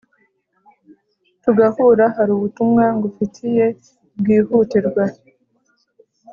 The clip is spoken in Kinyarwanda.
tugahura harubutumwa ngufitiye bwihutirwa